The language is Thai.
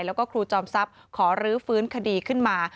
แล้วก็ครูจอมทรัพย์ขอรื้อฟื้นคดีขึ้นมา